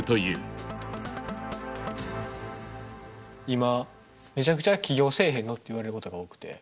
今めちゃくちゃ「起業せえへんの？」って言われることが多くて。